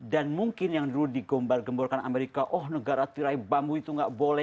dan mungkin yang dulu digombal gemburkan amerika oh negara tirai bambu itu gak boleh